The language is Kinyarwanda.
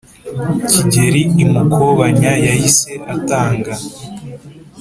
kigeli i mukobanya yahise atanga